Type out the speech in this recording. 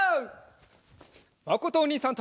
まことおにいさんと。